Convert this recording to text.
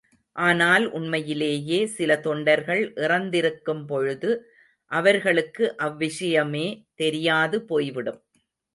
ஆனால் உண்மையிலேயே சில தொண்டர்கள் இறந்திருக்கும் பொழுது, அவர்களுக்கு அவ்விஷயமே தெரியாது போய்விடும்!